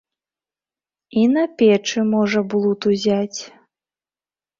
І на печы можа блуд узяць.